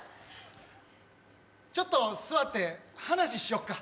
ちょっと座って話、しよっか。